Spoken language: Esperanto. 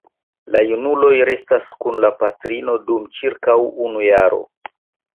La junuloj restas kun la patrino dum ĉirkaŭ unu jaro.